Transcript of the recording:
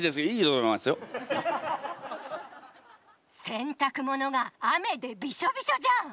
洗濯物が雨でビショビショじゃん！